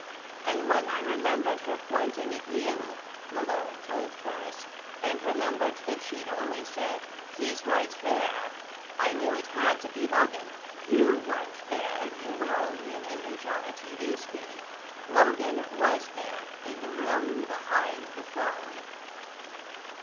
"And when I remembered her pointing at you," Malone told Burris, "and remembered that she'd only said: 'He's right there,' I knew it had to be Logan. You weren't there. You were only an image on a TV screen. Logan was there in the room behind the phone."